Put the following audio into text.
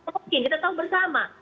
mungkin kita tahu bersama